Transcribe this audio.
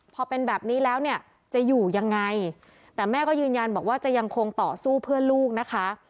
พอเป็นแบบนี้แล้วเนี่ยจะอยู่ยังไงแต่แม่ก็ยืนยันบอกว่าจะยังคงต่อสู้เพื่อลูกนะคะ